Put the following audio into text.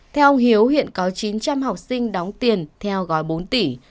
theo ông hiếu hiện có chín trăm linh học sinh đóng tiền theo gói bốn tỷ